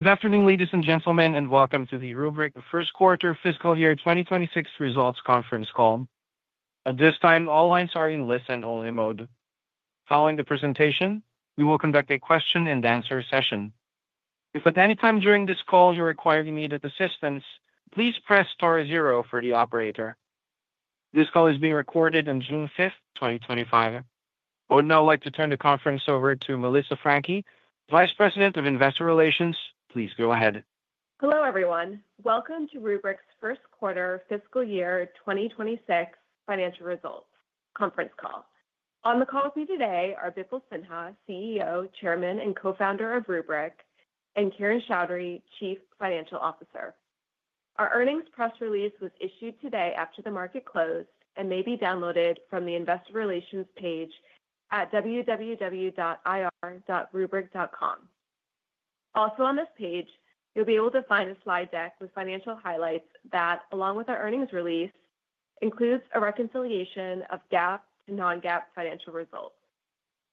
Good afternoon, ladies and gentlemen, and welcome to the Rubrik First Quarter Fiscal Year 2026 Results Conference Call. At this time, all lines are in listen-only mode. Following the presentation, we will conduct a question-and-answer session. If at any time during this call you require assistance, please press star zero for the operator. This call is being recorded on June 5th, 2025. I would now like to turn the conference over to Melissa Franchi, Vice President of Investor Relations. Please go ahead. Hello, everyone. Welcome to Rubrik's First Quarter Fiscal Year 2026 Financial Results Conference Call. On the call with me today are Bipul Sinha, CEO, Chairman, and Co-founder of Rubrik, and Kiran Choudary, Chief Financial Officer. Our earnings press release was issued today after the market closed and may be downloaded from the Investor Relations page at www.ir.rubrik.com. Also, on this page, you'll be able to find a slide deck with financial highlights that, along with our earnings release, includes a reconciliation of GAAP to non-GAAP financial results.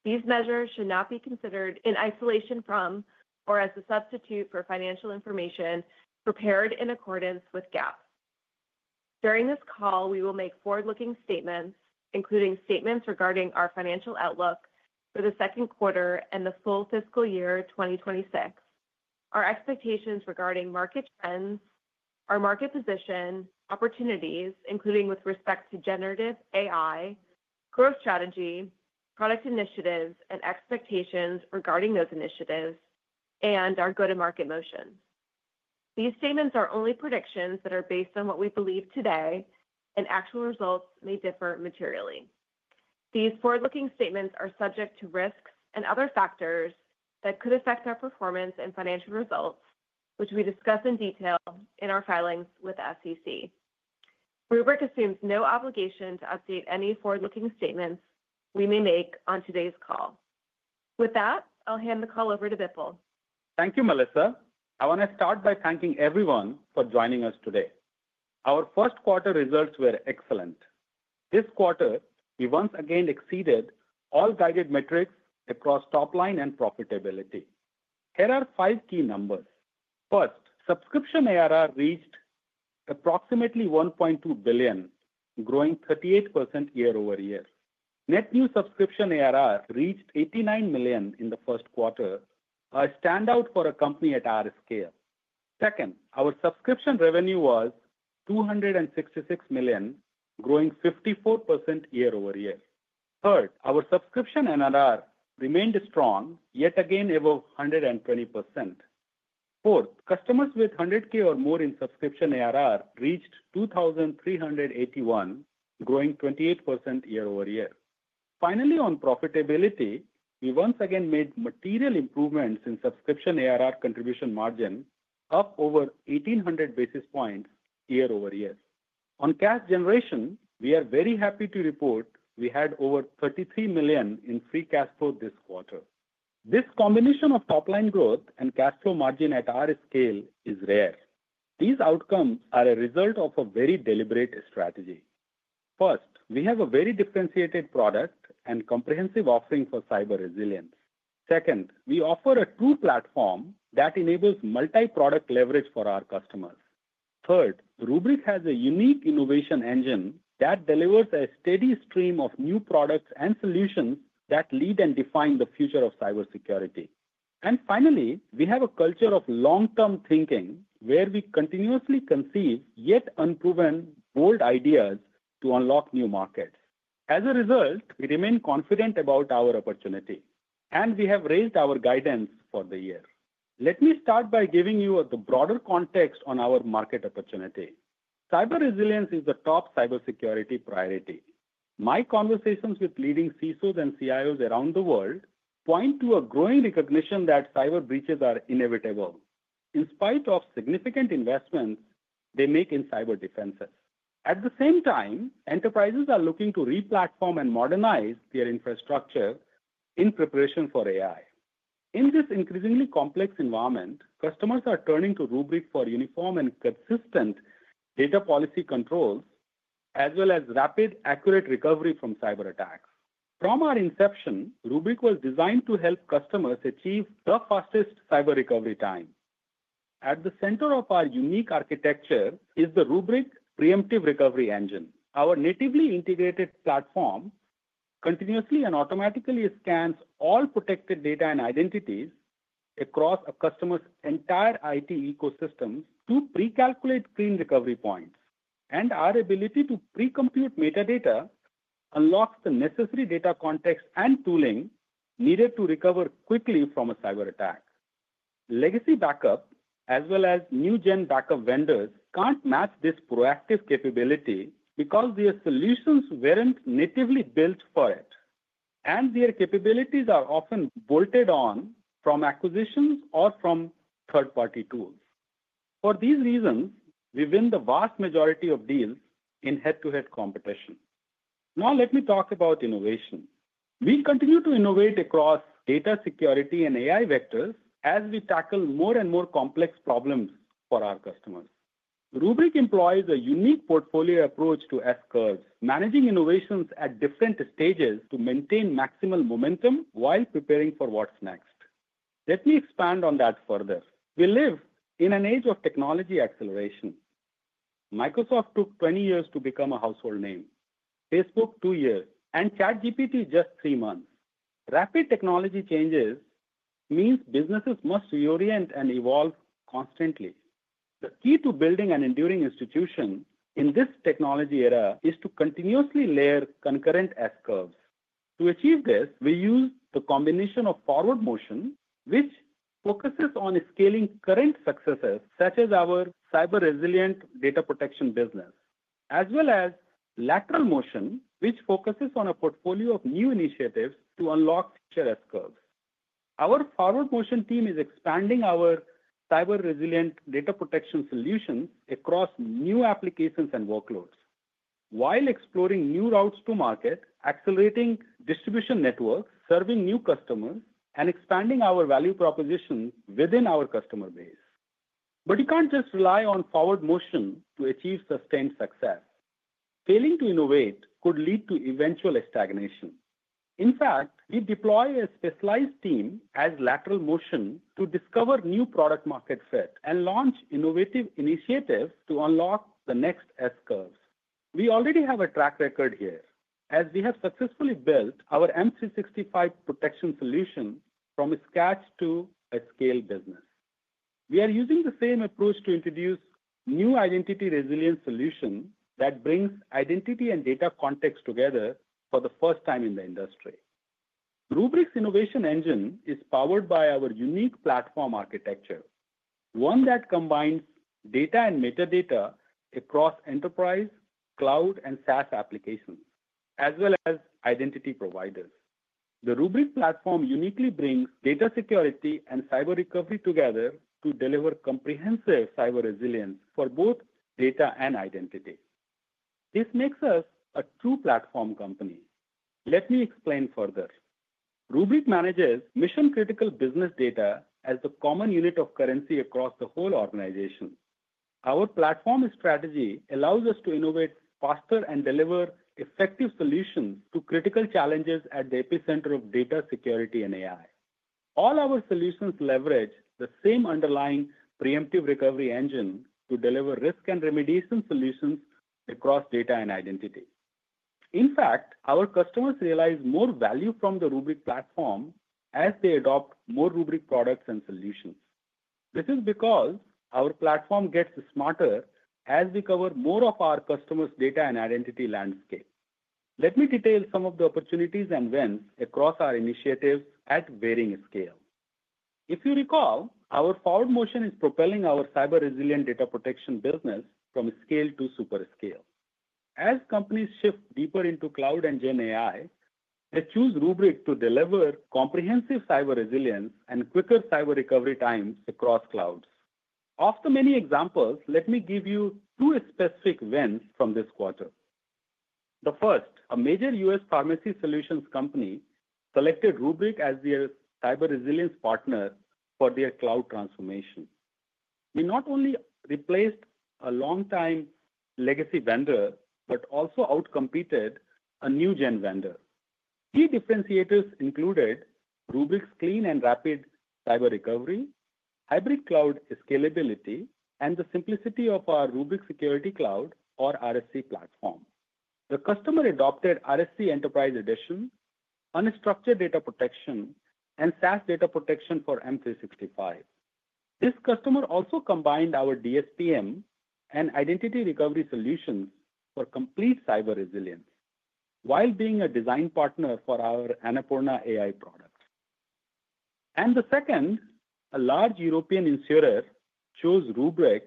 These measures should not be considered in isolation from or as a substitute for financial information prepared in accordance with GAAP. During this call, we will makeforward-looking statements, including statements regarding our financial outlook for the second quarter and the full fiscal year 2026, our expectations regarding market trends, our market position, opportunities, including with respect to generative AI, growth strategy, product initiatives, and expectations regarding those initiatives, and our go-to-market motion. These statements are only predictions that are based on what we believe today, and actual results may differ materially. These forward-looking statements are subject to risks and other factors that could affect our performance and financial results, which we discuss in detail in our filings with the SEC. Rubrik assumes no obligation to update any forward-looking statements we may make on today's call. With that, I'll hand the call over to Bipul. Thank you, Melissa. I want to start by thanking everyone for joining us today. Our first quarter results were excellent. This quarter, we once again exceeded all guided metrics across top line and profitability. Here are five key numbers. First, subscription ARR reached approximately $1.2 billion, growing 38% year over year. Net new subscription ARR reached $89 million in the first quarter, a standout for a company at our scale. Second, our subscription revenue was $266 million, growing 54% year over year. Third, our subscription NRR remained strong, yet again above 120%. Fourth, customers with $100,000 or more in subscription ARR reached 2,381, growing 28% year over year. Finally, on profitability, we once again made material improvements in subscription ARR contribution margin, up over 1,800 basis points year over year. On cash generation, we are very happy to report we had over $33 million in free cash flow this quarter. This combination of top line growth and cash flow margin at our scale is rare. These outcomes are a result of a very deliberate strategy. First, we have a very differentiated product and comprehensive offering for cyber resilience. Second, we offer a true platform that enables multi-product leverage for our customers. Third, Rubrik has a unique innovation engine that delivers a steady stream of new products and solutions that lead and define the future of cybersecurity. Finally, we have a culture of long-term thinking where we continuously conceive yet unproven bold ideas to unlock new markets. As a result, we remain confident about our opportunity, and we have raised our guidance for the year. Let me start by giving you the broader context on our market opportunity. Cyber resilience is the top cybersecurity priority. My conversations with leading CISOs and CIOs around the world point to a growing recognition that cyber breaches are inevitable. In spite of significant investments they make in cyber defenses. At the same time, enterprises are looking to replatform and modernize their infrastructure in preparation for AI. In this increasingly complex environment, customers are turning to Rubrik for uniform and consistent data policy controls, as well as rapid, accurate recovery from cyber attacks. From our inception, Rubrik was designed to help customers achieve the fastest cyber recovery time. At the center of our unique architecture is the Rubrik Preemptive Recovery Engine. Our natively integrated platform continuously and automatically scans all protected data and identities across a customer's entire IT ecosystem to pre-calculate clean recovery points. Our ability to pre-compute metadata unlocks the necessary data context and tooling needed to recover quickly from a cyber attack. Legacy backup, as well as new-gen backup vendors, can't match this proactive capability because their solutions weren't natively built for it, and their capabilities are often bolted on from acquisitions or from third-party tools. For these reasons, we win the vast majority of deals in head-to-head competition. Now, let me talk about innovation. We continue to innovate across data security and AI vectors as we tackle more and more complex problems for our customers. Rubrik employs a unique portfolio approach to S-curves, managing innovations at different stages to maintain maximal momentum while preparing for what's next. Let me expand on that further. We live in an age of technology acceleration. Microsoft took 20 years to become a household name, Facebook two years, and ChatGPT just three months. Rapid technology changes mean businesses must reorient and evolve constantly. The key to building an enduring institution in this technology era is to continuously layer concurrent S-curves. To achieve this, we use the combination of forward motion, which focuses on scaling current successes such as our cyber resilient data protection business, as well as lateral motion, which focuses on a portfolio of new initiatives to unlock future S-curves. Our forward motion team is expanding our cyber resilient data protection solutions across new applications and workloads while exploring new routes to market, accelerating distribution networks, serving new customers, and expanding our value propositions within our customer base. You can't just rely on forward motion to achieve sustained success. Failing to innovate could lead to eventual stagnation. In fact, we deploy a specialized team as lateral motion to discover new product-market fit and launch innovative initiatives to unlock the next S-curves. We already have a track record here, as we have successfully built our M365 protection solution from scratch to a scale business. We are using the same approach to introduce new Identity Resilience solutions that bring identity and data context together for the first time in the industry. Rubrik's innovation engine is powered by our unique platform architecture, one that combines data and metadata across enterprise, cloud, and SaaS applications, as well as identity providers. The Rubrik platform uniquely brings data security and cyber recovery together to deliver comprehensive cyber resilience for both data and identity. This makes us a true platform company. Let me explain further. Rubrik manages mission-critical business data as the common unit of currency across the whole organization. Our platform strategy allows us to innovate faster and deliver effective solutions to critical challenges at the epicenter of data security and AI. All our solutions leverage the same underlying Preemptive Recovery Engine to deliver risk and remediation solutions across data and identity. In fact, our customers realize more value from the Rubrik platform as they adopt more Rubrik products and solutions. This is because our platform gets smarter as we cover more of our customers' data and identity landscape. Let me detail some of the opportunities and wins across our initiatives at varying scales. If you recall, our forward motion is propelling our cyber resilient data protection business from scale to super scale. As companies shift deeper into cloud and GenAI, they choose Rubrik to deliver comprehensive cyber resilience and quicker cyber recovery times across clouds. Of the many examples, let me give you two specific wins from this quarter. The first, a major U.S. pharmacy solutions company selected Rubrik as their cyber resilience partner for their cloud transformation. We not only replaced a long-time legacy vendor, but also outcompeted a new-gen vendor. Key differentiators included Rubrik's clean and rapid cyber recovery, hybrid cloud scalability, and the simplicity of our Rubrik Security Cloud, or RSC, platform. The customer adopted RSC Enterprise Edition, unstructured data protection, and SaaS data protection for M365. This customer also combined our DSPM and identity recovery solutions for complete cyber resilience while being a design partner for our Annapurna AI product. The second, a large European insurer chose Rubrik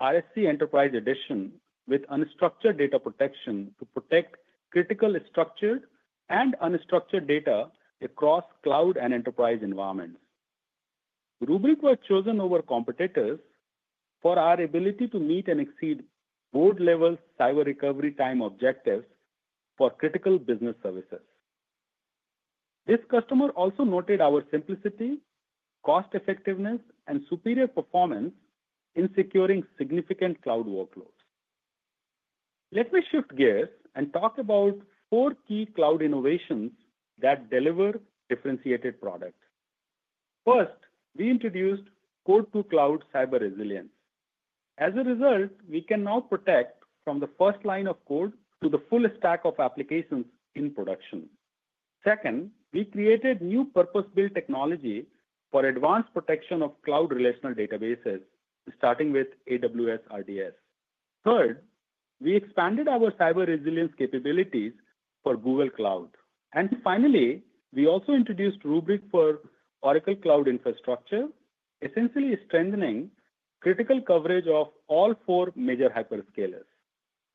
RSC Enterprise Edition with unstructured data protection to protect critical structured and unstructured data across cloud and enterprise environments. Rubrik was chosen over competitors for our ability to meet and exceed board-level cyber recovery time objectives for critical business services. This customer also noted our simplicity, cost-effectiveness, and superior performance in securing significant cloud workloads. Let me shift gears and talk about four key cloud innovations that deliver differentiated products. First, we introduced Code2Cloud Cyber Resilience. As a result, we can now protect from the first line of code to the full stack of applications in production. Second, we created new purpose-built technology for advanced protection of cloud relational databases, starting with AWS RDS. Third, we expanded our cyber resilience capabilities for Google Cloud. Finally, we also introduced Rubrik for Oracle Cloud Infrastructure, essentially strengthening critical coverage of all four major hyperscalers.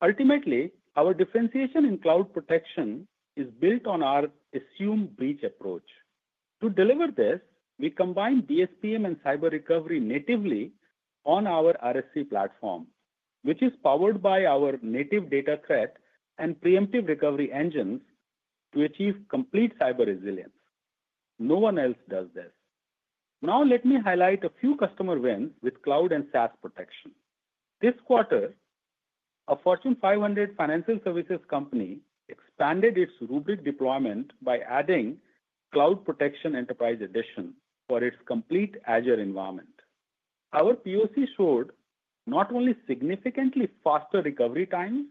Ultimately, our differentiation in cloud protection is built on our assume breach approach. To deliver this, we combine DSPM and cyber recovery natively on our RSC platform, which is powered by our native data threat and preemptive recovery engines to achieve complete cyber resilience. No one else does this. Now, let me highlight a few customer wins with cloud and SaaS protection. This quarter, a Fortune 500 financial services company expanded its Rubrik deployment by adding Cloud Protection Enterprise Edition for its complete Azure environment. Our POC showed not only significantly faster recovery times,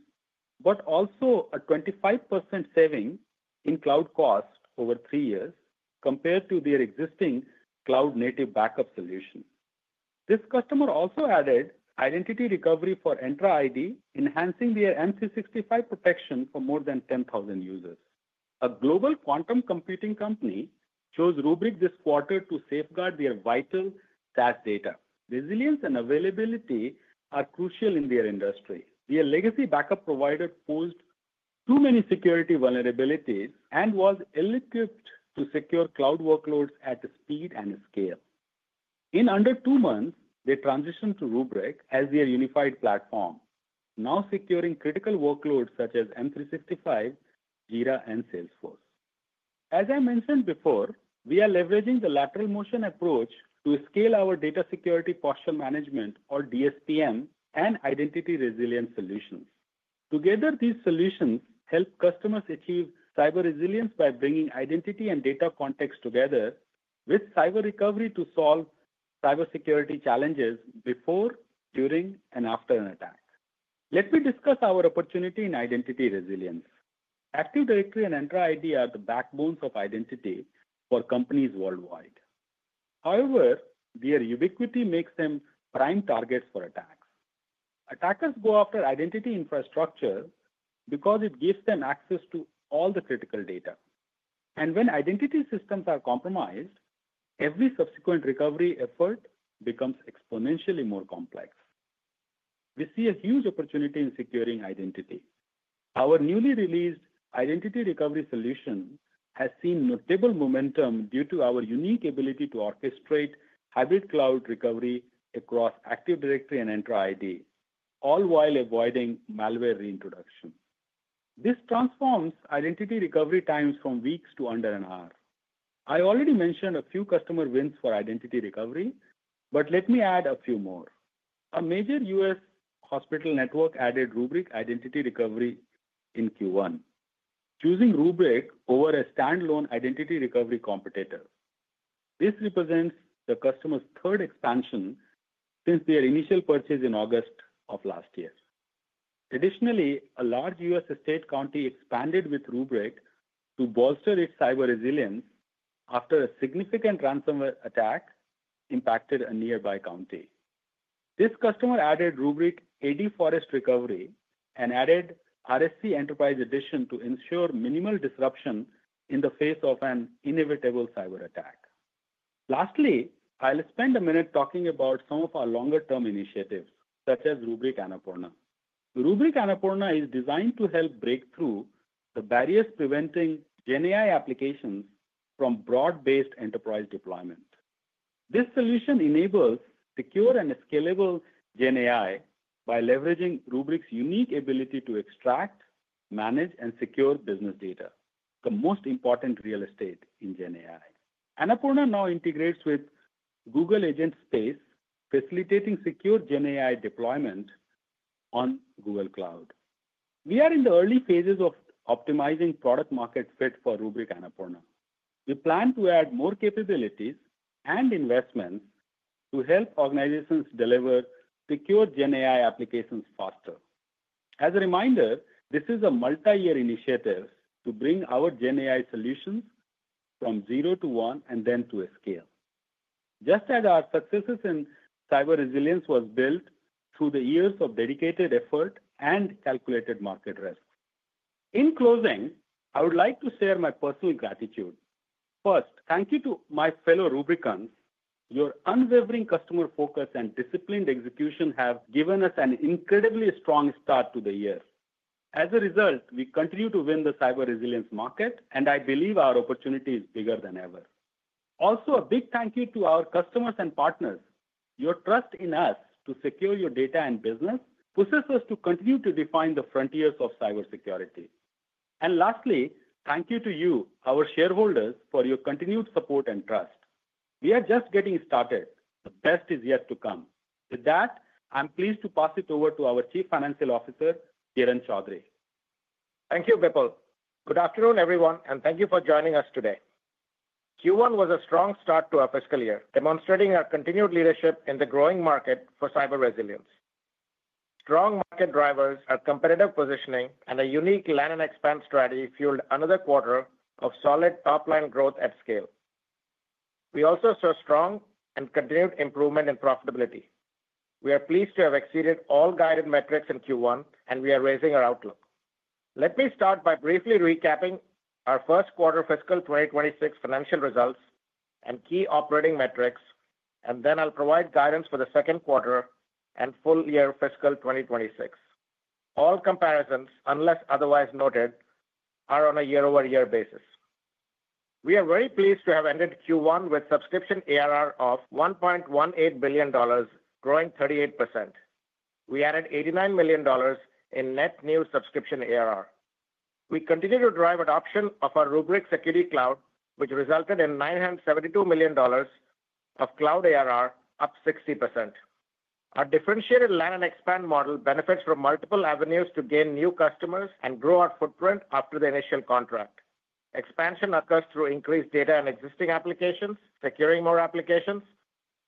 but also a 25% saving in cloud cost over three years compared to their existing cloud-native backup solution. This customer also added identity recovery for Entra ID, enhancing their M365 protection for more than 10,000 users. A global quantum computing company chose Rubrik this quarter to safeguard their vital SaaS data. Resilience and availability are crucial in their industry. Their legacy backup provider posed too many security vulnerabilities and was ill-equipped to secure cloud workloads at speed and scale. In under two months, they transitioned to Rubrik as their unified platform, now securing critical workloads such as M365, Jira, and Salesforce. As I mentioned before, we are leveraging the lateral motion approach to scale our data security posture management, or DSPM, and Identity Resilience solutions. Together, these solutions help customers achieve cyber resilience by bringing identity and data context together with cyber recovery to solve cybersecurity challenges before, during, and after an attack. Let me discuss our opportunity in Identity Resilience. Active Directory and Entra ID are the backbones of identity for companies worldwide. However, their ubiquity makes them prime targets for attacks. Attackers go after identity infrastructure because it gives them access to all the critical data. When identity systems are compromised, every subsequent recovery effort becomes exponentially more complex. We see a huge opportunity in securing identity. Our newly released identity recovery solution has seen notable momentum due to our unique ability to orchestrate hybrid cloud recovery across Active Directory and Entra ID, all while avoiding malware reintroduction. This transforms identity recovery times from weeks to under an hour. I already mentioned a few customer wins for identity recovery, but let me add a few more. A major U.S. hospital network added Rubrik Identity Recovery in Q1, choosing Rubrik over a standalone identity recovery competitor. This represents the customer's third expansion since their initial purchase in August of last year. Additionally, a large U.S. estate county expanded with Rubrik to bolster its cyber resilience after a significant ransomware attack impacted a nearby county. This customer added Rubrik AD Forest Recovery and added RSC Enterprise Edition to ensure minimal disruption in the face of an inevitable cyber attack. Lastly, I'll spend a minute talking about some of our longer-term initiatives, such as Rubrik Annapurna. Rubrik Annapurna is designed to help break through the barriers preventing GenAI applications from broad-based enterprise deployment. This solution enables secure and scalable GenAI by leveraging Rubrik's unique ability to extract, manage, and secure business data, the most important real estate in GenAI. Annapurna now integrates with Google Agent Space, facilitating secure GenAI deployment on Google Cloud. We are in the early phases of optimizing product-market fit for Rubrik Annapurna. We plan to add more capabilities and investments to help organizations deliver secure GenAI applications faster. As a reminder, this is a multi-year initiative to bring our GenAI solutions from zero to one and then to a scale. Just as our successes in cyber resilience were built through the years of dedicated effort and calculated market risk. In closing, I would like to share my personal gratitude. First, thank you to my fellow Rubrikans. Your unwavering customer focus and disciplined execution have given us an incredibly strong start to the year. As a result, we continue to win the cyber resilience market, and I believe our opportunity is bigger than ever. Also, a big thank you to our customers and partners. Your trust in us to secure your data and business pushes us to continue to define the frontiers of cybersecurity. Lastly, thank you to you, our shareholders, for your continued support and trust. We are just getting started. The best is yet to come. With that, I'm pleased to pass it over to our Chief Financial Officer, Kiran Choudary. Thank you, Bipul. Good afternoon, everyone, and thank you for joining us today. Q1 was a strong start to our fiscal year, demonstrating our continued leadership in the growing market for cyber resilience. Strong market drivers, our competitive positioning, and a unique land and expand strategy fueled another quarter of solid top-line growth at scale. We also saw strong and continued improvement in profitability. We are pleased to have exceeded all guided metrics in Q1, and we are raising our outlook. Let me start by briefly recapping our first quarter fiscal 2026 financial results and key operating metrics, and then I'll provide guidance for the second quarter and full year fiscal 2026. All comparisons, unless otherwise noted, are on a year-over-year basis. We are very pleased to have ended Q1 with subscription ARR of $1.18 billion, growing 38%. We added $89 million in net new subscription ARR. We continue to drive adoption of our Rubrik Security Cloud, which resulted in $972 million of cloud ARR, up 60%. Our differentiated land and expand model benefits from multiple avenues to gain new customers and grow our footprint after the initial contract. Expansion occurs through increased data and existing applications, securing more applications,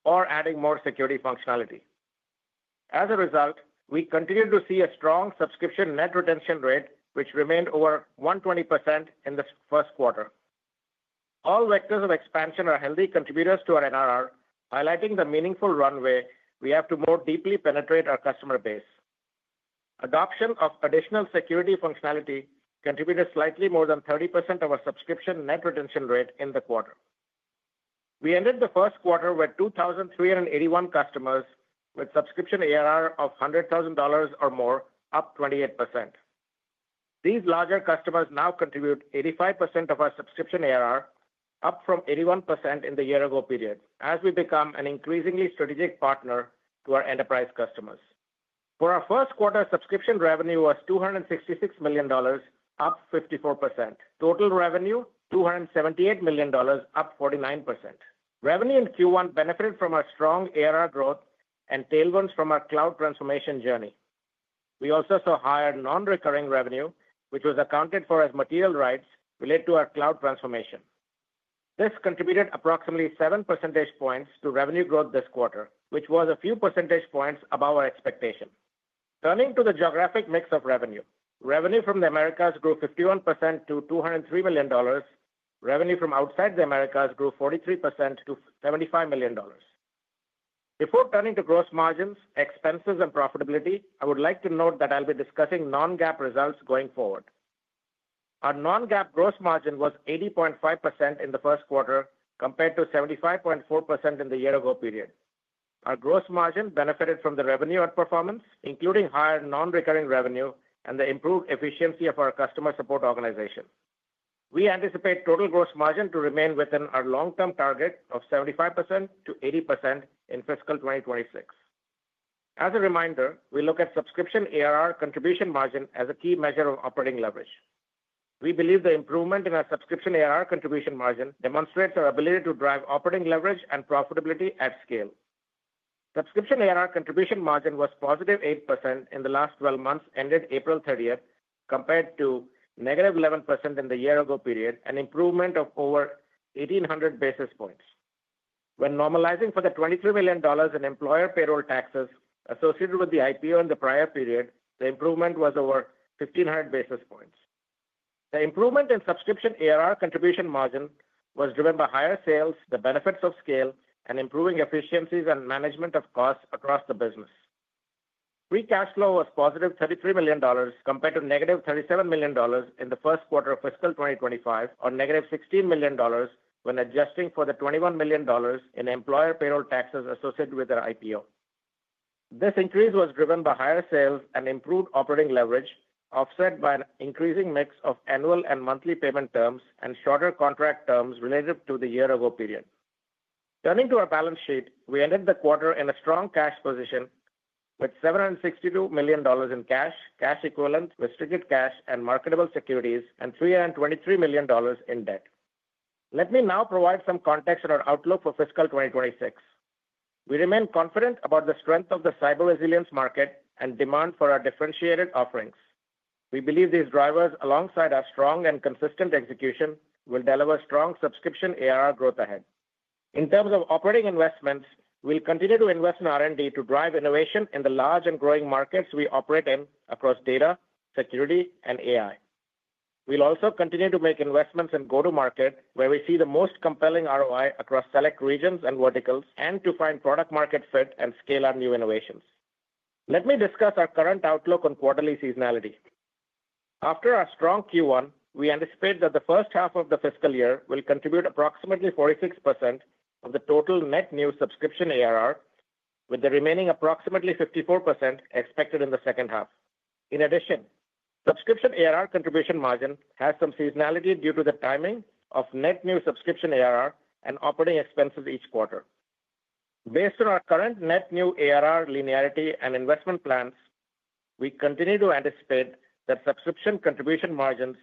or adding more security functionality. As a result, we continue to see a strong subscription net retention rate, which remained over 120% in the first quarter. All vectors of expansion are healthy contributors to our NRR, highlighting the meaningful runway we have to more deeply penetrate our customer base. Adoption of additional security functionality contributed slightly more than 30% of our subscription net retention rate in the quarter. We ended the first quarter with 2,381 customers with subscription ARR of $100,000 or more, up 28%. These larger customers now contribute 85% of our subscription ARR, up from 81% in the year-ago period, as we become an increasingly strategic partner to our enterprise customers. For our first quarter, subscription revenue was $266 million, up 54%. Total revenue, $278 million, up 49%. Revenue in Q1 benefited from our strong ARR growth and tailwinds from our cloud transformation journey. We also saw higher non-recurring revenue, which was accounted for as material rights related to our cloud transformation. This contributed approximately 7 percentage points to revenue growth this quarter, which was a few percentage points above our expectation. Turning to the geographic mix of revenue, revenue from the Americas grew 51% to $203 million. Revenue from outside the Americas grew 43% to $75 million. Before turning to gross margins, expenses, and profitability, I would like to note that I'll be discussing non-GAAP results going forward. Our non-GAAP gross margin was 80.5% in the first quarter compared to 75.4% in the year-ago period. Our gross margin benefited from the revenue outperformance, including higher non-recurring revenue and the improved efficiency of our customer support organization. We anticipate total gross margin to remain within our long-term target of 75%-80% in fiscal 2026. As a reminder, we look at subscription ARR contribution margin as a key measure of operating leverage. We believe the improvement in our subscription ARR contribution margin demonstrates our ability to drive operating leverage and profitability at scale. Subscription ARR contribution margin was positive 8% in the last 12 months, ended April 30, compared to negative 11% in the year-ago period, an improvement of over 1,800 basis points. When normalizing for the $23 million in employer payroll taxes associated with the IPO in the prior period, the improvement was over 1,500 basis points. The improvement in subscription ARR contribution margin was driven by higher sales, the benefits of scale, and improving efficiencies and management of costs across the business. Free cash flow was positive $33 million compared to negative $37 million in the first quarter of fiscal 2025, or negative $16 million when adjusting for the $21 million in employer payroll taxes associated with our IPO. This increase was driven by higher sales and improved operating leverage, offset by an increasing mix of annual and monthly payment terms and shorter contract terms related to the year-ago period. Turning to our balance sheet, we ended the quarter in a strong cash position with $762 million in cash, cash equivalent, restricted cash, and marketable securities, and $323 million in debt. Let me now provide some context on our outlook for fiscal 2026. We remain confident about the strength of the cyber resilience market and demand for our differentiated offerings. We believe these drivers, alongside our strong and consistent execution, will deliver strong subscription ARR growth ahead. In terms of operating investments, we'll continue to invest in R&D to drive innovation in the large and growing markets we operate in across data, security, and AI. We'll also continue to make investments in go-to-market, where we see the most compelling ROI across select regions and verticals, and to find product-market fit and scale our new innovations. Let me discuss our current outlook on quarterly seasonality. After our strong Q1, we anticipate that the first half of the fiscal year will contribute approximately 46% of the total net new subscription ARR, with the remaining approximately 54% expected in the second half. In addition, subscription ARR contribution margin has some seasonality due to the timing of net new subscription ARR and operating expenses each quarter. Based on our current net new ARR linearity and investment plans, we continue to anticipate that subscription contribution margins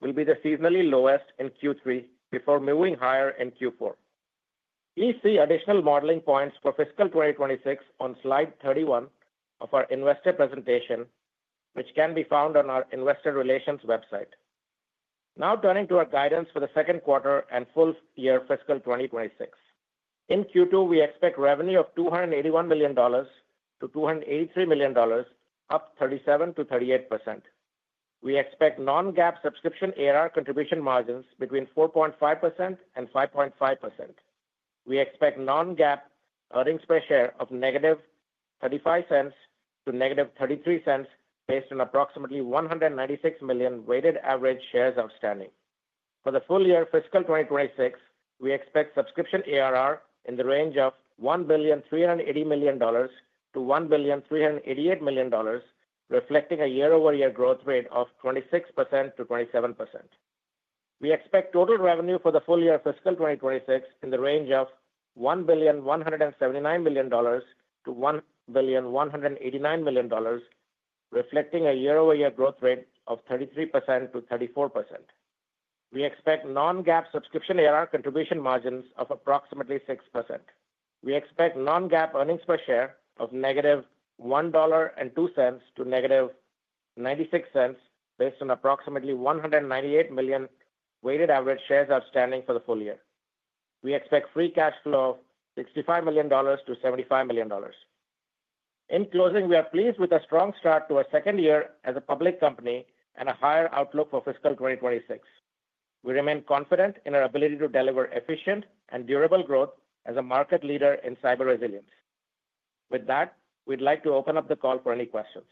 will be the seasonally lowest in Q3 before moving higher in Q4. Please see additional modeling points for fiscal 2026 on slide 31 of our investor presentation, which can be found on our investor relations website. Now, turning to our guidance for the second quarter and full year fiscal 2026. In Q2, we expect revenue of $281 million-$283 million, up 37%-38%. We expect non-GAAP subscription ARR contribution margins between 4.5% and 5.5%. We expect non-GAAP earnings per share of negative $0.35 to negative $0.33 based on approximately 196 million weighted average shares outstanding. For the full year fiscal 2026, we expect subscription ARR in the range of $1,380 million-$1,388 million, reflecting a year-over-year growth rate of 26%-27%. We expect total revenue for the full year fiscal 2026 in the range of $1,179 million-$1,189 million, reflecting a year-over-year growth rate of 33%-34%. We expect non-GAAP subscription ARR contribution margins of approximately 6%. We expect non-GAAP earnings per share of negative $1.02 to negative $0.96 based on approximately 198 million weighted average shares outstanding for the full year. We expect free cash flow of $65 million-$75 million. In closing, we are pleased with a strong start to our second year as a public company and a higher outlook for fiscal 2026. We remain confident in our ability to deliver efficient and durable growth as a market leader in cyber resilience. With that, we'd like to open up the call for any questions.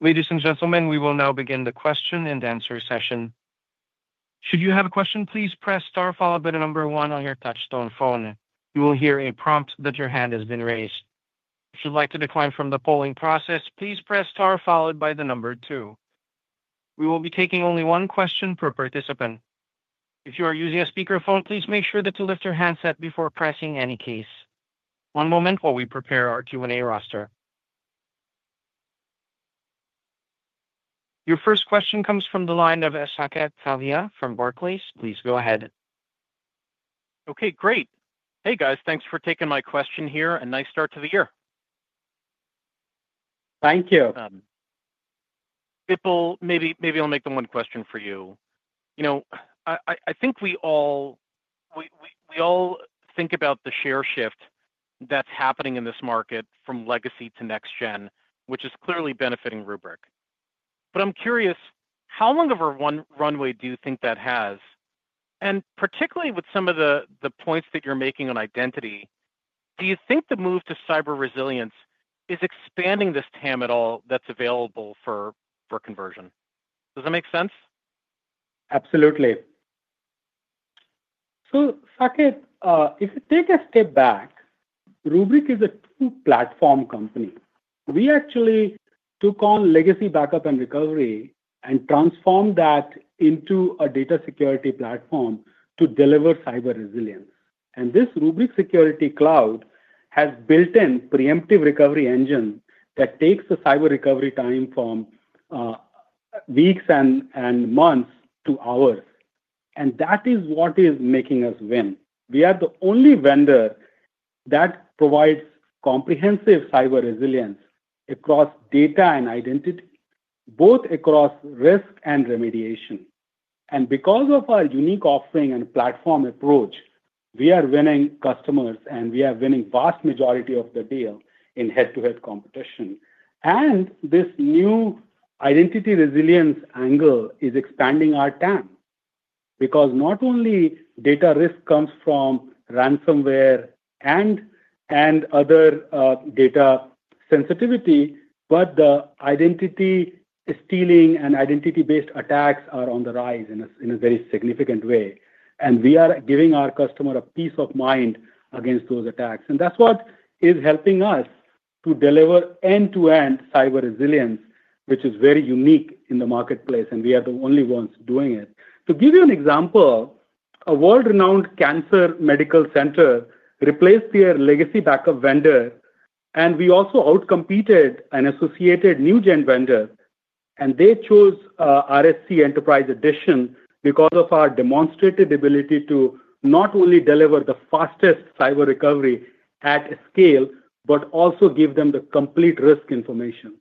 Ladies and gentlemen, we will now begin the question and answer session. Should you have a question, please press star followed by the number one on your touchstone phone. You will hear a prompt that your hand has been raised. If you'd like to decline from the polling process, please press star followed by the number two. We will be taking only one question per participant. If you are using a speakerphone, please make sure that you lift your handset before pressing any case. One moment while we prepare our Q&A roster. Your first question comes from the line of Ishaq Attavia from Barclays. Please go ahead. Okay, great. Hey, guys, thanks for taking my question here. A nice start to the year. Thank you. Bipul, maybe I'll make the one question for you. You know, I think we all think about the share shift that's happening in this market from legacy to next-gen, which is clearly benefiting Rubrik. I'm curious, how long of a runway do you think that has? And particularly with some of the points that you're making on identity, do you think the move to cyber resilience is expanding this TAM at all that's available for conversion? Does that make sense? Absolutely. If you take a step back, Rubrik is a two-platform company. We actually took on legacy backup and recovery and transformed that into a data security platform to deliver cyber resilience. This Rubrik Security Cloud has a built-in Preemptive Recovery Engine that takes the cyber recovery time from weeks and months to hours. That is what is making us win. We are the only vendor that provides comprehensive cyber resilience across data and identity, both across risk and remediation. Because of our unique offering and platform approach, we are winning customers, and we are winning the vast majority of the deal in head-to-head competition. This new Identity Resilience angle is expanding our TAM because not only data risk comes from ransomware and other data sensitivity, but the identity stealing and identity-based attacks are on the rise in a very significant way. We are giving our customer a peace of mind against those attacks. That is what is helping us to deliver end-to-end cyber resilience, which is very unique in the marketplace, and we are the only ones doing it. To give you an example, a world-renowned cancer medical center replaced their legacy backup vendor, and we also outcompeted an associated new-gen vendor. They chose RSC Enterprise Edition because of our demonstrated ability to not only deliver the fastest cyber recovery at scale, but also give them the complete risk information.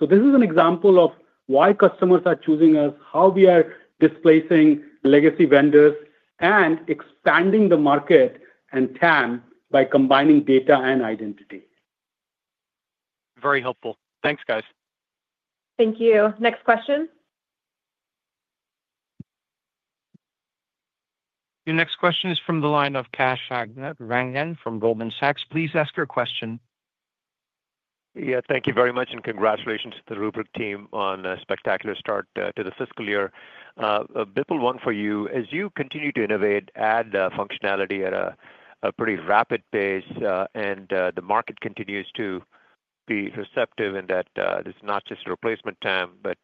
This is an example of why customers are choosing us, how we are displacing legacy vendors, and expanding the market and TAM by combining data and identity. Very helpful. Thanks, guys. Thank you. Next question. Your next question is from the line of Kash Rangan from Goldman Sachs. Please ask your question. Yeah, thank you very much, and congratulations to the Rubrik team on a spectacular start to the fiscal year. Bipul, one for you. As you continue to innovate, add functionality at a pretty rapid pace, and the market continues to be receptive in that it's not just replacement TAM, but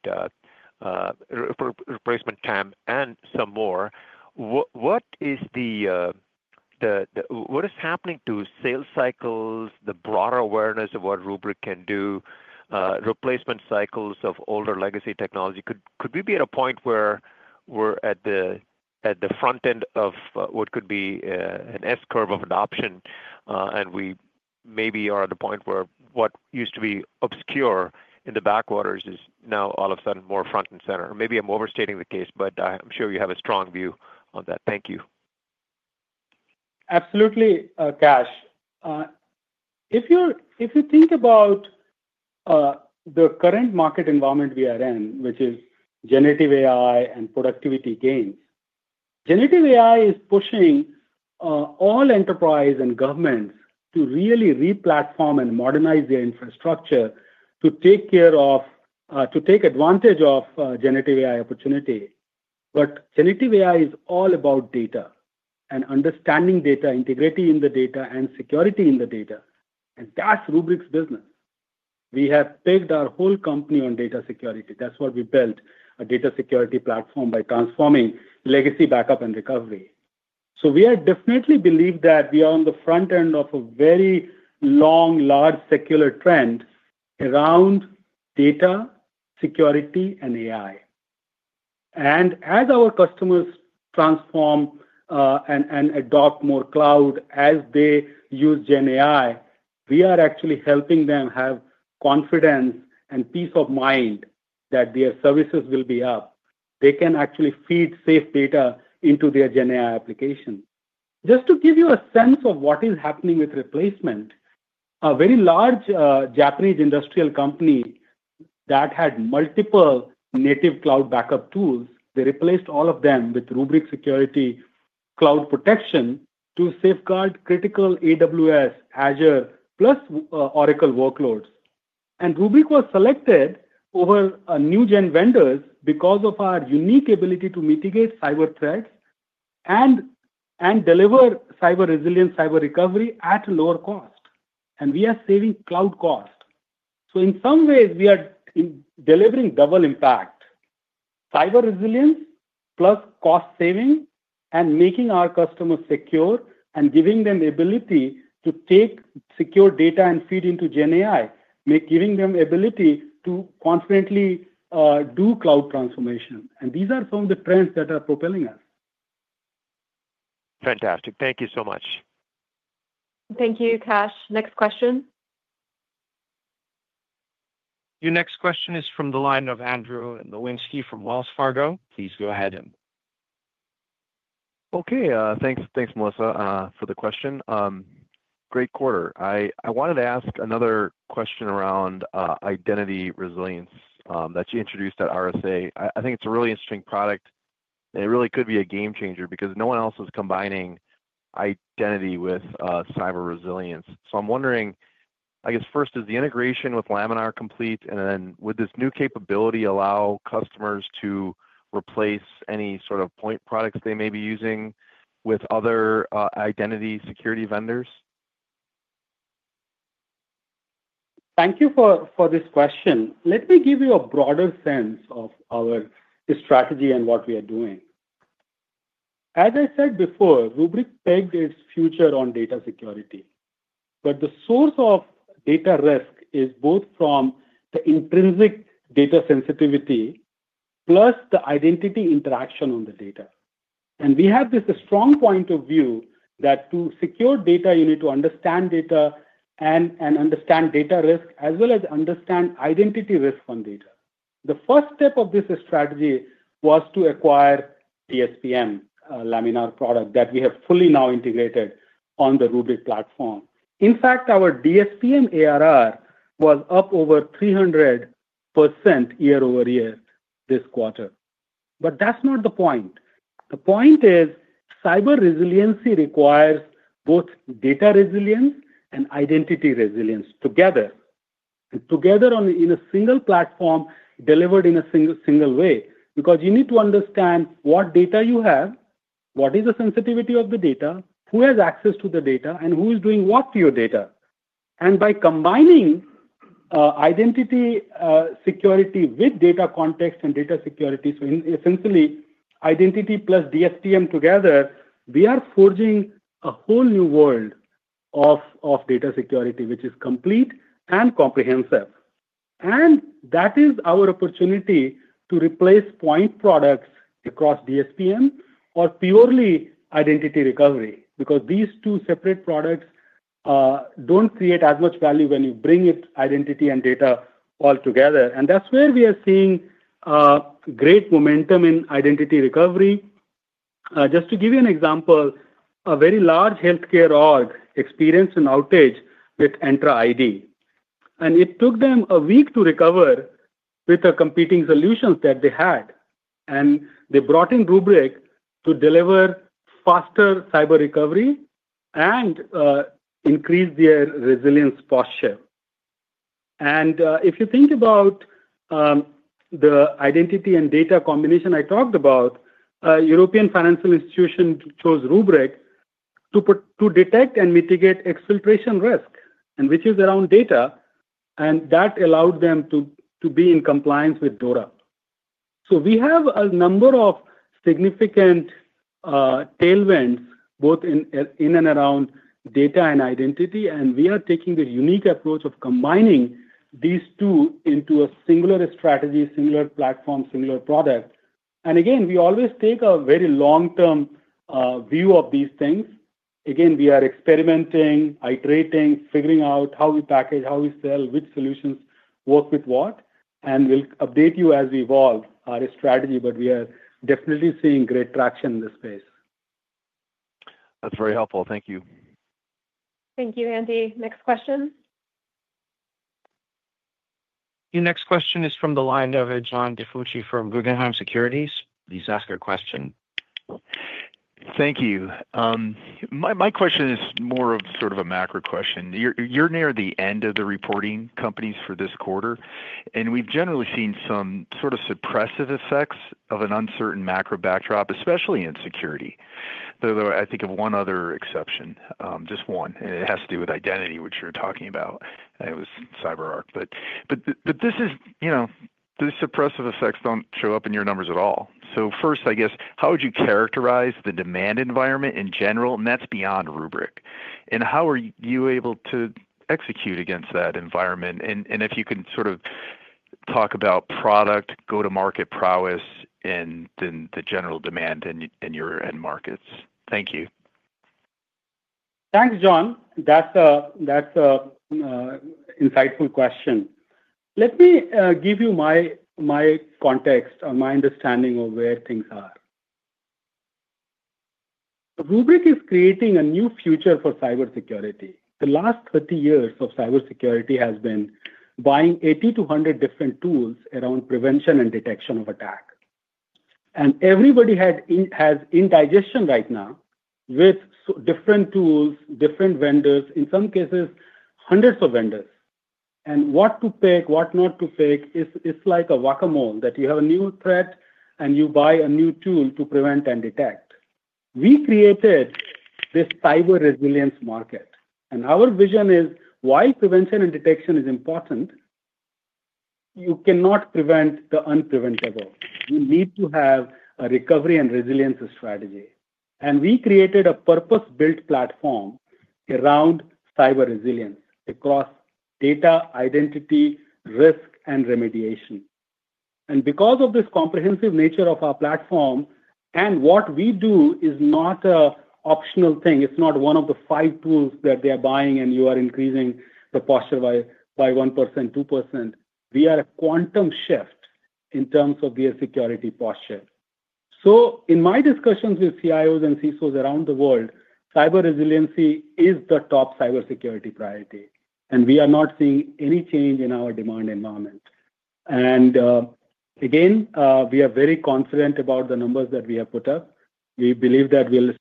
replacement TAM and some more. What is happening to sales cycles, the broader awareness of what Rubrik can do, replacement cycles of older legacy technology? Could we be at a point where we are at the front end of what could be an S-curve of adoption, and we maybe are at a point where what used to be obscure in the backwaters is now all of a sudden more front and center? Maybe I am overstating the case, but I am sure you have a strong view on that. Thank you. Absolutely, Kash. If you think about the current market environment we are in, which is generative AI and productivity gains, generative AI is pushing all enterprise and governments to really replatform and modernize their infrastructure to take care of, to take advantage of generative AI opportunity. Generative AI is all about data and understanding data, integrity in the data, and security in the data. That is Rubrik's business. We have pegged our whole company on data security. That is what we built, a data security platform by transforming legacy backup and recovery. We definitely believe that we are on the front end of a very long, large secular trend around data, security, and AI. As our customers transform and adopt more cloud as they use GenAI, we are actually helping them have confidence and peace of mind that their services will be up. They can actually feed safe data into their GenAI application. Just to give you a sense of what is happening with replacement, a very large Japanese industrial company that had multiple native cloud backup tools replaced all of them with Rubrik Security Cloud Protection to safeguard critical AWS, Azure, plus Oracle workloads. Rubrik was selected over new-gen vendors because of our unique ability to mitigate cyber threats and deliver cyber resilience, cyber recovery at lower cost. We are saving cloud cost. In some ways, we are delivering double impact. Cyber resilience plus cost saving and making our customers secure and giving them the ability to take secure data and feed into GenAI, giving them the ability to confidently do cloud transformation. These are some of the trends that are propelling us. Fantastic. Thank you so much. Thank you, Kash. Next question. Your next question is from the line of Andrew Nowinski from Wells Fargo. Please go ahead. Okay. Thanks, Melissa, for the question. Great quarter. I wanted to ask another question around Identity Resilience that you introduced at RSA. I think it's a really interesting product, and it really could be a game changer because no one else is combining identity with cyber resilience. I'm wondering, I guess first, is the integration with Laminar complete? Would this new capability allow customers to replace any sort of point products they may be using with other identity security vendors? Thank you for this question. Let me give you a broader sense of our strategy and what we are doing. As I said before, Rubrik pegged its future on data security. The source of data risk is both from the intrinsic data sensitivity plus the identity interaction on the data. We have this strong point of view that to secure data, you need to understand data and understand data risk, as well as understand identity risk on data. The first step of this strategy was to acquire DSPM, a Laminar product that we have fully now integrated on the Rubrik platform. In fact, our DSPM ARR was up over 300% year over year this quarter. That is not the point. The point is cyber resiliency requires both data resilience and Identity Resilience together. Together in a single platform delivered in a single way because you need to understand what data you have, what is the sensitivity of the data, who has access to the data, and who is doing what to your data. By combining identity security with data context and data security, so essentially identity plus DSPM together, we are forging a whole new world of data security, which is complete and comprehensive. That is our opportunity to replace point products across DSPM or purely identity recovery because these two separate products do not create as much value when you bring identity and data all together. That is where we are seeing great momentum in identity recovery. Just to give you an example, a very large healthcare org experienced an outage with Entra ID. It took them a week to recover with the competing solutions that they had. They brought in Rubrik to deliver faster cyber recovery and increase their resilience posture. If you think about the identity and data combination I talked about, a European financial institution chose Rubrik to detect and mitigate exfiltration risk, which is around data, and that allowed them to be in compliance with DORA. We have a number of significant tailwinds both in and around data and identity, and we are taking the unique approach of combining these two into a singular strategy, singular platform, singular product. Again, we always take a very long-term view of these things. Again, we are experimenting, iterating, figuring out how we package, how we sell, which solutions work with what. We will update you as we evolve our strategy, but we are definitely seeing great traction in this space. That's very helpful. Thank you. Thank you, Andy. Next question. Your next question is from the line of John DiFucci from Guggenheim Securities. Please ask your question. Thank you. My question is more of sort of a macro question. You're near the end of the reporting companies for this quarter, and we've generally seen some sort of suppressive effects of an uncertain macro backdrop, especially in security, though I think of one other exception, just one. It has to do with identity, which you're talking about. It was CyberArk. These suppressive effects don't show up in your numbers at all. First, I guess, how would you characterize the demand environment in general? That's beyond Rubrik. How are you able to execute against that environment? If you can sort of talk about product, go-to-market prowess, and then the general demand in your end markets. Thank you. Thanks, John. That's an insightful question. Let me give you my context on my understanding of where things are. Rubrik is creating a new future for cybersecurity. The last 30 years of cybersecurity has been buying 80 to 100 different tools around prevention and detection of attack. Everybody has indigestion right now with different tools, different vendors, in some cases, hundreds of vendors. What to pick, what not to pick, it's like a Whac-A-Mole that you have a new threat and you buy a new tool to prevent and detect. We created this cyber resilience market. Our vision is, while prevention and detection is important, you cannot prevent the unpreventable. You need to have a recovery and resilience strategy. We created a purpose-built platform around cyber resilience across data, identity, risk, and remediation. Because of this comprehensive nature of our platform and what we do is not an optional thing, it's not one of the five tools that they are buying and you are increasing the posture by 1%, 2%, we are a quantum shift in terms of their security posture. In my discussions with CIOs and CISOs around the world, cyber resiliency is the top cybersecurity priority. We are not seeing any change in our demand environment. We are very confident about the numbers that we have put up. We believe that we'll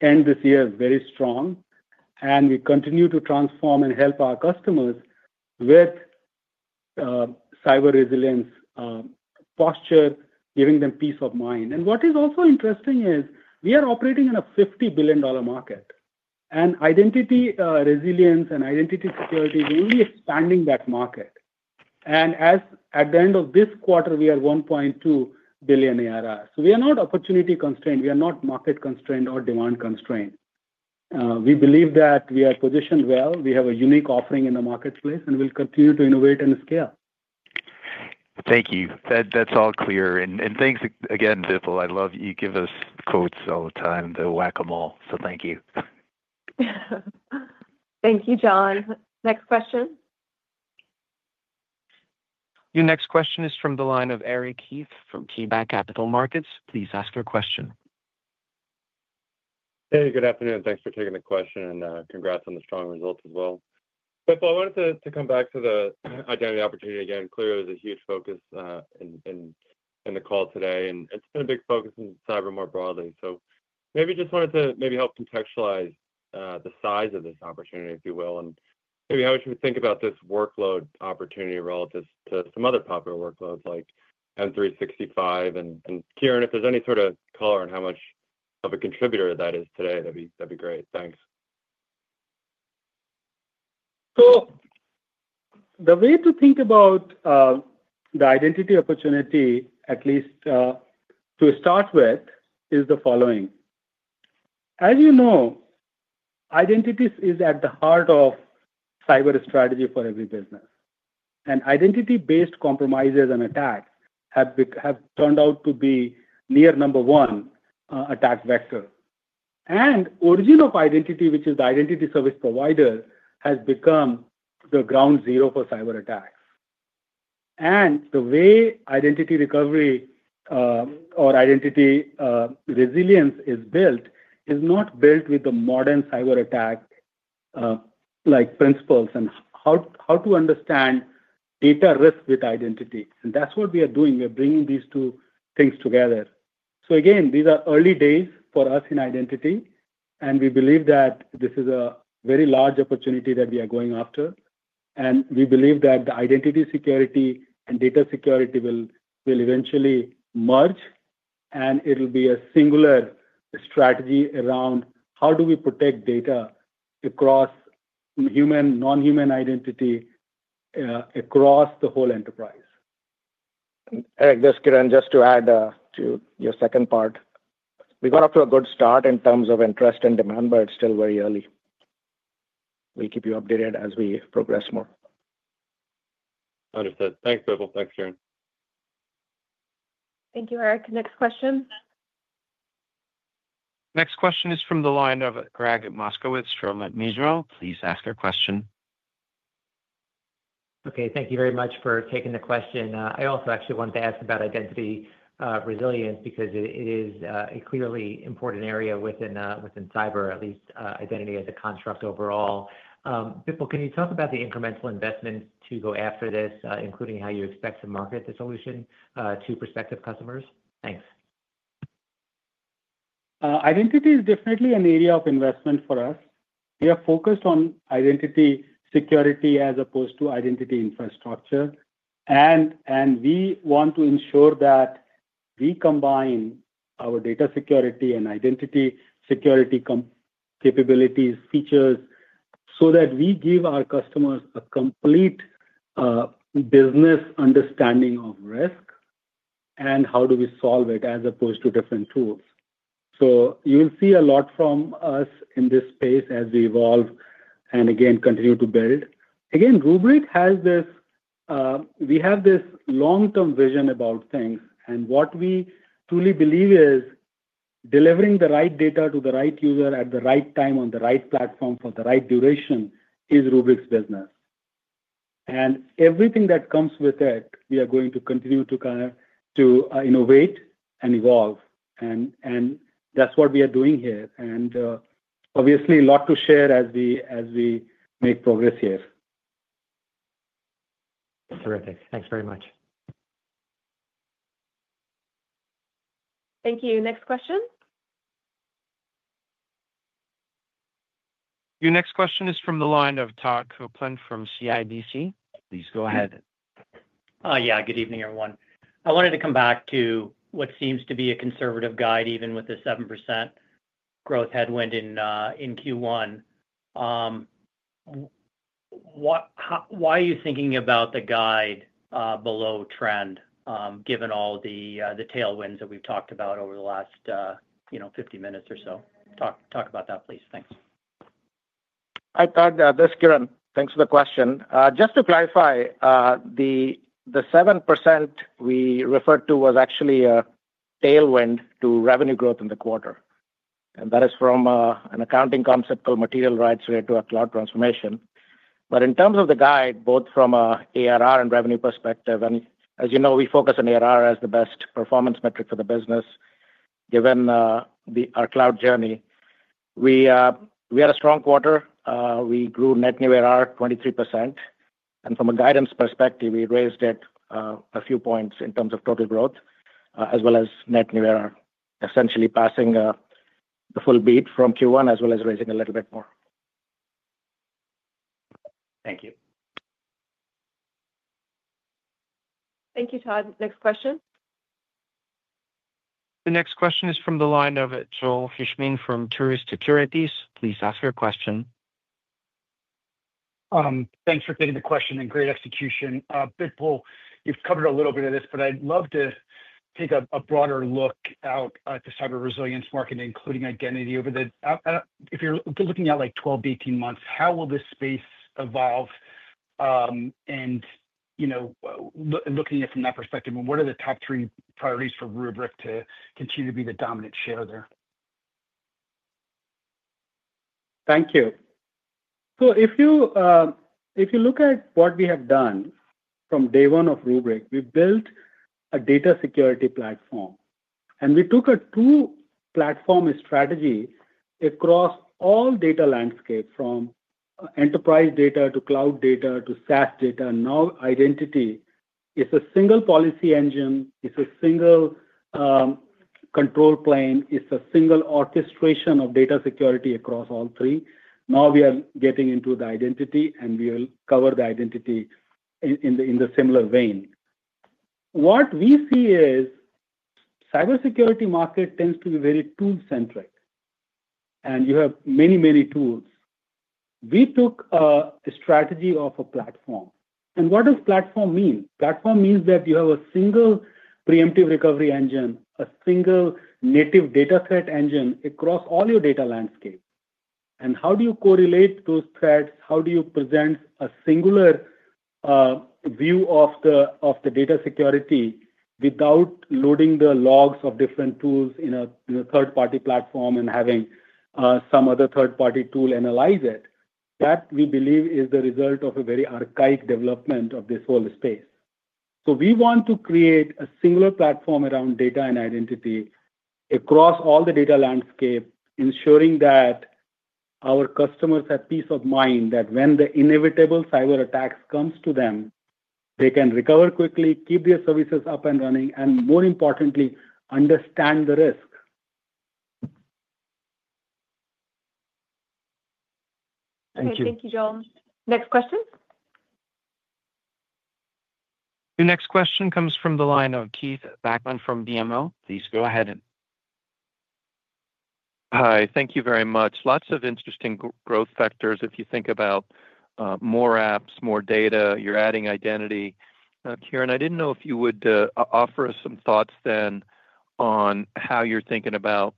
end this year very strong. We continue to transform and help our customers with cyber resilience posture, giving them peace of mind. What is also interesting is we are operating in a $50 billion market. Identity Resilience and identity security is only expanding that market. At the end of this quarter, we are $1.2 billion ARR. We are not opportunity constrained. We are not market constrained or demand constrained. We believe that we are positioned well. We have a unique offering in the marketplace, and we will continue to innovate and scale. Thank you. That is all clear. Thanks again, Bipul. I love you give us quotes all the time, the Whac-A-Mole. Thank you. Thank you, John. Next question. Your next question is from the line of Eric Heath from Kiban Capital Markets. Please ask your question. Hey, good afternoon. Thanks for taking the question. Congrats on the strong results as well. I wanted to come back to the identity opportunity again. Clearly, there is a huge focus in the call today. It has been a big focus in cyber more broadly. Maybe just wanted to maybe help contextualize the size of this opportunity, if you will, and maybe how we should think about this workload opportunity relative to some other popular workloads like M365. Kiran, if there's any sort of color on how much of a contributor that is today, that'd be great. Thanks. The way to think about the identity opportunity, at least to start with, is the following. As you know, identity is at the heart of cyber strategy for every business. Identity-based compromises and attacks have turned out to be near number one attack vector. Origin of identity, which is the identity service provider, has become the ground zero for cyber attacks. The way identity recovery or Identity Resilience is built is not built with the modern cyber attack principles and how to understand data risk with identity. That is what we are doing. We are bringing these two things together. Again, these are early days for us in identity. We believe that this is a very large opportunity that we are going after. We believe that the identity security and data security will eventually merge. It will be a singular strategy around how do we protect data across human, non-human identity across the whole enterprise. Eric, Kiran, just to add to your second part, we got off to a good start in terms of interest and demand, but it is still very early. We will keep you updated as we progress more. Understood. Thanks, Bipul. Thanks, Kiran. Thank you, Eric. Next question. Next question is from the line of Gregg Moskowitz from Mizuho. Please ask your question. Okay. Thank you very much for taking the question. I also actually wanted to ask about Identity Resilience because it is a clearly important area within cyber, at least identity as a construct overall. Bipul, can you talk about the incremental investments to go after this, including how you expect to market the solution to prospective customers? Thanks. Identity is definitely an area of investment for us. We are focused on identity security as opposed to identity infrastructure. We want to ensure that we combine our data security and identity security capabilities, features, so that we give our customers a complete business understanding of risk and how do we solve it as opposed to different tools. You will see a lot from us in this space as we evolve and again continue to build. Again, Rubrik has this long-term vision about things. What we truly believe is delivering the right data to the right user at the right time on the right platform for the right duration is Rubrik's business. Everything that comes with it, we are going to continue to innovate and evolve. That is what we are doing here. Obviously, a lot to share as we make progress here. Terrific. Thanks very much. Thank you. Next question. Your next question is from the line of Todd Coupland from CIBC. Please go ahead. Yeah. Good evening, everyone. I wanted to come back to what seems to be a conservative guide, even with the 7% growth headwind in Q1. Why are you thinking about the guide below trend, given all the tailwinds that we have talked about over the last 50 minutes or so? Talk about that, please. Thanks. Hi, Todd there. This is Kiran. Thanks for the question. Just to clarify, the 7% we referred to was actually a tailwind to revenue growth in the quarter. That is from an accounting concept called material rights related to a cloud transformation. In terms of the guide, both from an ARR and revenue perspective, and as you know, we focus on ARR as the best performance metric for the business given our cloud journey. We had a strong quarter. We grew net new ARR 23%. From a guidance perspective, we raised it a few points in terms of total growth, as well as net new ARR, essentially passing the full beat from Q1, as well as raising a little bit more. Thank you. Thank you, Todd. Next question. The next question is from the line of Joel Fishbein from Tourist Securities. Please ask your question. Thanks for taking the question and great execution. Bipul, you've covered a little bit of this, but I'd love to take a broader look out at the cyber resilience market, including identity over the, if you're looking at like 12, 18 months, how will this space evolve? Looking at it from that perspective, what are the top three priorities for Rubrik to continue to be the dominant share there? Thank you. If you look at what we have done from day one of Rubrik, we built a data security platform. We took a two-platform strategy across all data landscapes, from enterprise data to cloud data to SaaS data. Now identity is a single policy engine. It's a single control plane. It's a single orchestration of data security across all three. Now we are getting into the identity, and we will cover the identity in the similar vein. What we see is cybersecurity market tends to be very tool-centric. You have many, many tools. We took a strategy of a platform. What does platform mean? Platform means that you have a single Preemptive Recovery Engine, a single native data threat engine across all your data landscape. How do you correlate those threats? How do you present a singular view of the data security without loading the logs of different tools in a third-party platform and having some other third-party tool analyze it? That, we believe, is the result of a very archaic development of this whole space. We want to create a singular platform around data and identity across all the data landscape, ensuring that our customers have peace of mind that when the inevitable cyber attacks come to them, they can recover quickly, keep their services up and running, and more importantly, understand the risk. Thank you. Thank you, Joel. Next question. Your next question comes from the line of Keith Bachman from BMO. Please go ahead. Hi. Thank you very much. Lots of interesting growth factors. If you think about more apps, more data, you're adding identity. Kiran, I didn't know if you would offer us some thoughts then on how you're thinking about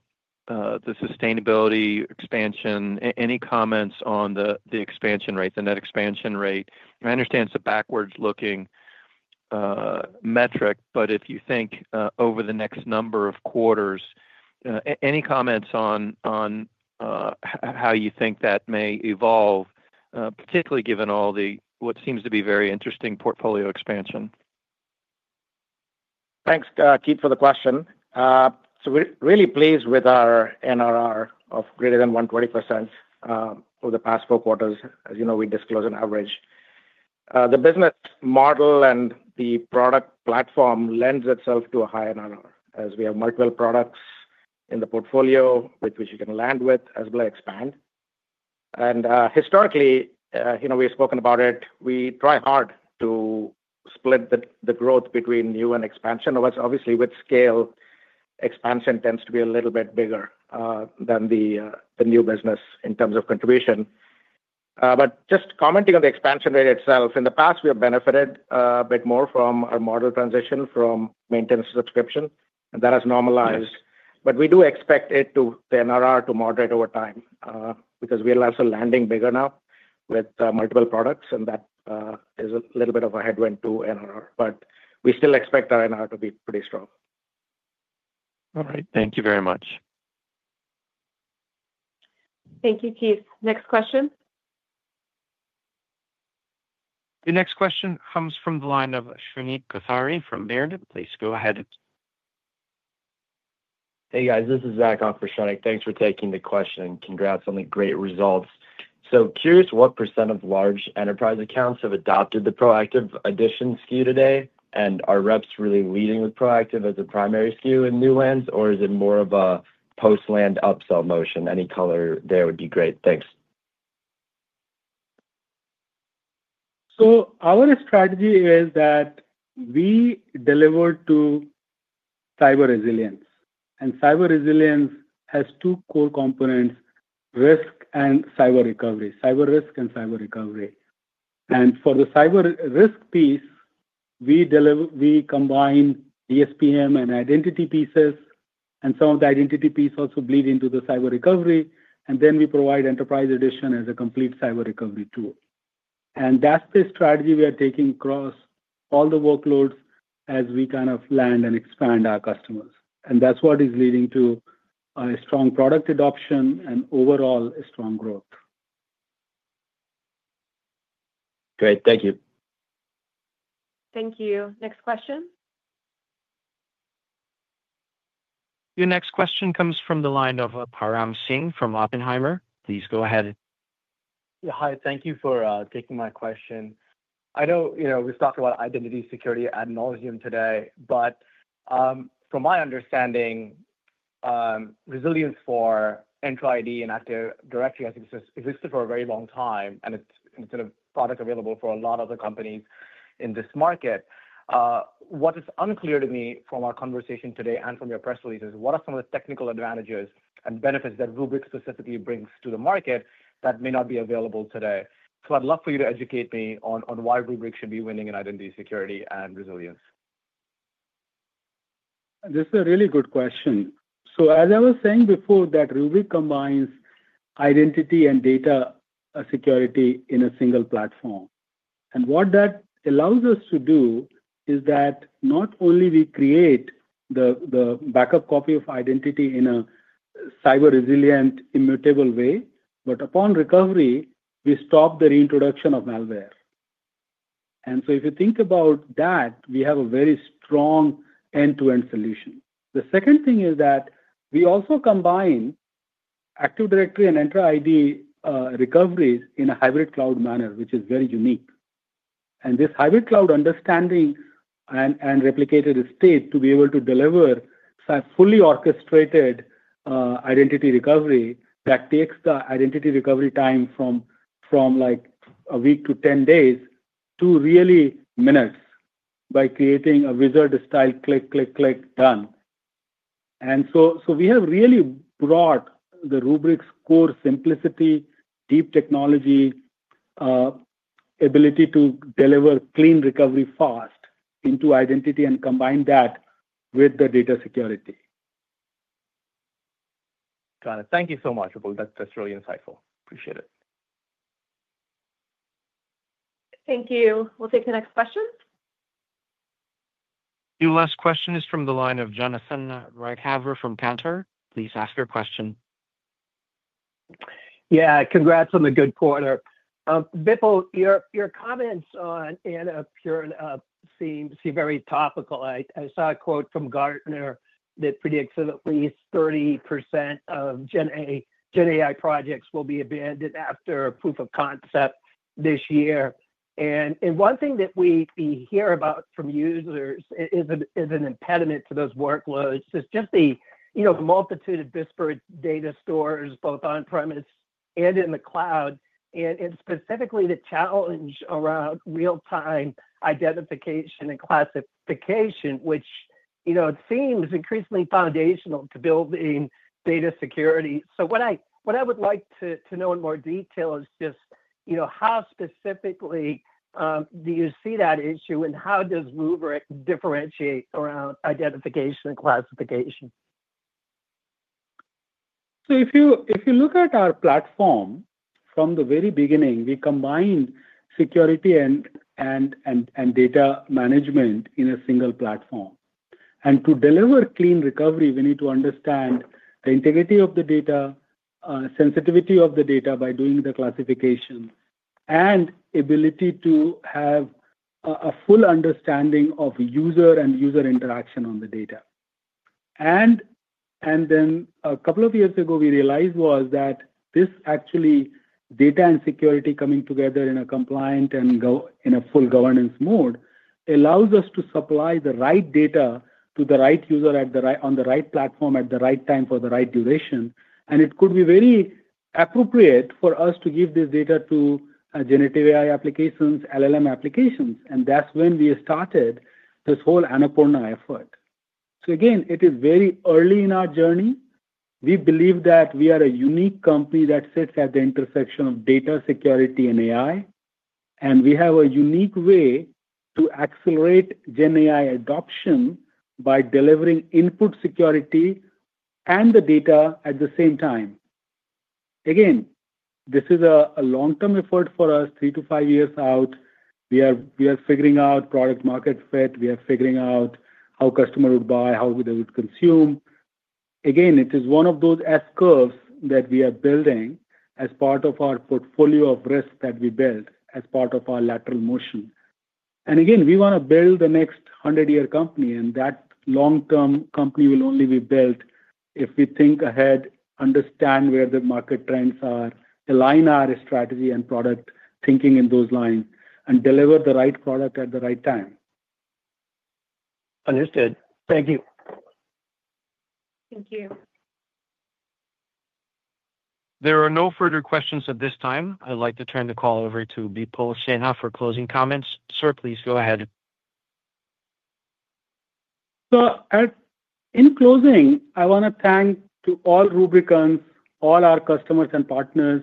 the sustainability expansion, any comments on the expansion rate, the net expansion rate. I understand it's a backwards-looking metric, but if you think over the next number of quarters, any comments on how you think that may evolve, particularly given all the what seems to be very interesting portfolio expansion? Thanks, Keith, for the question. We are really pleased with our NRR of greater than 120% over the past four quarters. As you know, we disclose an average. The business model and the product platform lends itself to a high NRR as we have multiple products in the portfolio with which you can land with as well as expand. Historically, we've spoken about it. We try hard to split the growth between new and expansion. Obviously, with scale, expansion tends to be a little bit bigger than the new business in terms of contribution. But just commenting on the expansion rate itself, in the past, we have benefited a bit more from our model transition from maintenance subscription. That has normalized. We do expect the NRR to moderate over time because we are also landing bigger now with multiple products. That is a little bit of a headwind to NRR. We still expect our NRR to be pretty strong. All right. Thank you very much. Thank you, Keith. Next question. Your next question comes from the line of Shaniq Kothari from Meredit. Please go ahead. Hey, guys. This is Zach Ong for Shaniq. Thanks for taking the question. Congrats on the great results. Curious what % of large enterprise accounts have adopted the proactive addition SKU today? Are reps really leading with proactive as a primary SKU in new lands, or is it more of a post-land upsell motion? Any color there would be great. Thanks. Our strategy is that we deliver to cyber resilience. Cyber resilience has two core components: risk and cyber recovery, cyber risk and cyber recovery. For the cyber risk piece, we combine DSPM and identity pieces. Some of the identity piece also bleeds into the cyber recovery. We provide Enterprise Edition as a complete cyber recovery tool. That is the strategy we are taking across all the workloads as we kind of land and expand our customers. That is what is leading to strong product adoption and overall strong growth. Great. Thank you. Thank you. Next question. Your next question comes from the line of Paramveer Singh from Oppenheimer. Please go ahead. Yeah. Hi. Thank you for taking my question. I know we've talked about identity security ad nauseam today. From my understanding, resilience for Entra ID and Active Directory has existed for a very long time. It's instead a product available for a lot of the companies in this market. What is unclear to me from our conversation today and from your press release is what are some of the technical advantages and benefits that Rubrik specifically brings to the market that may not be available today? I'd love for you to educate me on why Rubrik should be winning in identity security and resilience. This is a really good question. As I was saying before, Rubrik combines identity and data security in a single platform. What that allows us to do is that not only do we create the backup copy of identity in a cyber-resilient, immutable way, but upon recovery, we stop the reintroduction of malware. If you think about that, we have a very strong end-to-end solution. The second thing is that we also combine Active Directory and Entra ID recoveries in a hybrid cloud manner, which is very unique. This hybrid cloud understanding and replicated state enable us to deliver a fully orchestrated identity recovery that takes the identity recovery time from like a week to 10 days to really minutes by creating a wizard-style click, click, click, done. We have really brought Rubrik's core simplicity, deep technology, and ability to deliver clean recovery fast into identity and combined that with the data security. Got it. Thank you so much, Bipul. That's really insightful. Appreciate it. Thank you. We'll take the next question. Your last question is from the line of Jonathan Ruykhaver from Cantor. Please ask your question. Yeah. Congrats on the good quarter. Bipul, your comments on Annapurna seem very topical. I saw a quote from Gartner that predicts that at least 30% of GenAI projects will be abandoned after proof of concept this year. One thing that we hear about from users is an impediment to those workloads is just the multitude of disparate data stores, both on-premise and in the cloud, and specifically the challenge around real-time identification and classification, which seems increasingly foundational to building data security. What I would like to know in more detail is just how specifically do you see that issue and how does Rubrik differentiate around identification and classification? If you look at our platform, from the very beginning, we combined security and data management in a single platform. To deliver clean recovery, we need to understand the integrity of the data, sensitivity of the data by doing the classification, and the ability to have a full understanding of user and user interaction on the data. A couple of years ago, we realized that this actually, data and security coming together in a compliant and in a full governance mode allows us to supply the right data to the right user on the right platform at the right time for the right duration. It could be very appropriate for us to give this data to generative AI applications, LLM applications. That's when we started this whole Annapurna effort. It is very early in our journey. We believe that we are a unique company that sits at the intersection of data security and AI. We have a unique way to accelerate GenAI adoption by delivering input security and the data at the same time. This is a long-term effort for us, three to five years out. We are figuring out product-market fit. We are figuring out how customers would buy, how they would consume. It is one of those S-curves that we are building as part of our portfolio of risks that we built as part of our lateral motion. We want to build the next 100-year company. That long-term company will only be built if we think ahead, understand where the market trends are, align our strategy and product thinking in those lines, and deliver the right product at the right time. Understood. Thank you. Thank you. There are no further questions at this time. I'd like to turn the call over to Bipul Sinha for closing comments. Sir, please go ahead. In closing, I want to thank all Rubrikans, all our customers and partners,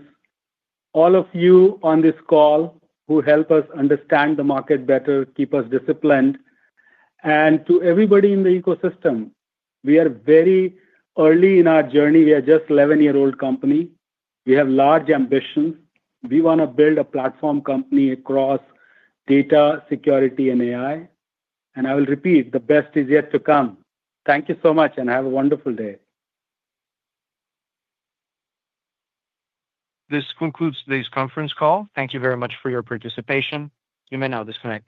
all of you on this call who help us understand the market better, keep us disciplined. To everybody in the ecosystem, we are very early in our journey. We are just an 11-year-old company. We have large ambitions. We want to build a platform company across data, security, and AI. I will repeat, the best is yet to come. Thank you so much, and have a wonderful day. This concludes today's conference call. Thank you very much for your participation. You may now disconnect.